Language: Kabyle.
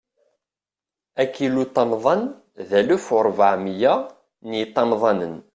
Akiluṭamḍan, d alef u rebɛa u miyya n yiṭamḍanen.